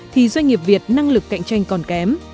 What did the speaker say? thì doanh nghiệp việt năng lực cạnh tranh còn kém